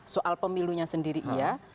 soal pemilunya sendiri ya